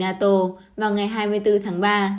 nato vào ngày hai mươi bốn tháng ba